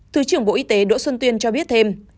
thứ trưởng bộ y tế đỗ xuân tuyên cho biết thêm